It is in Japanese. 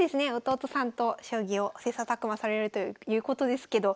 弟さんと将棋を切さたく磨されるということですけど。